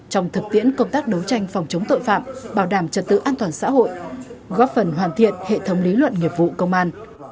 trong thực tiễn công tác đấu tranh phòng chống tội phạm bảo đảm trật tự an toàn xã hội góp phần hoàn thiện hệ thống lý luận nghiệp vụ công an